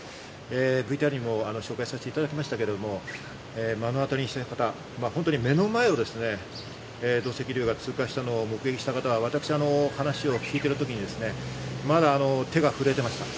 ＶＴＲにも紹介させていただきましたが目の当たりにした方、目の前を土石流が通過したのを目撃した方は話を聞いているときにまだ手が震えていました。